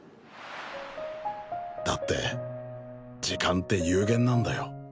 だって時間って有限なんだよ。